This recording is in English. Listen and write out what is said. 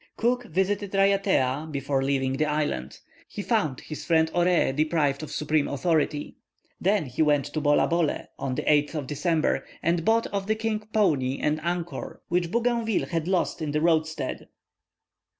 Cook visited Raiatea before leaving the island. He found his friend Oreé deprived of supreme authority. Then he went to Bolabole on the 8th of December, and bought of the King Pouni an anchor, which Bougainville had lost in the roadstead.